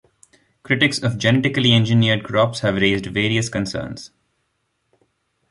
Critics of genetically engineered crops have raised various concerns.